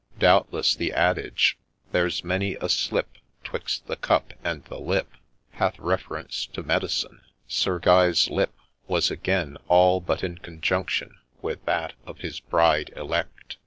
— Doubtless the adage, ' There 's many a slip 'Twixt the cup and the lip,' • hath reference to medicine. Sir Guy's lip was again all but in conjunction with that of his bride elect.